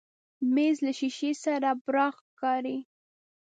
مېز له شیشې سره براق ښکاري.